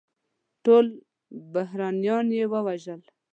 ټول برهمنان یې ووژل.